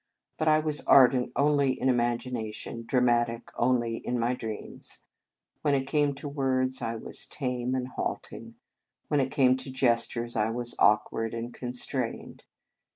But I was ardent only in imagination, dra matic only in my dreams. When it came to words, I was tame and halt ing; when it came to gestures, I was awkward and constrained.